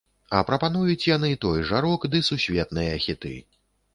А прапануюць яны той жа рок ды сусветныя хіты.